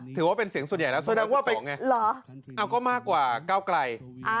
ถือว่าเป็นเสียงส่วนใหญ่แล้วแสดงว่าเอาก็มากกว่าก้าวไกล